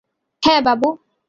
হ্যাঁ, বাবু।